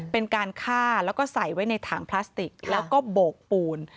เป็นการฆ่าแล้วก็ใส่ไว้ในถังพลาสติกแล้วก็โบกปูน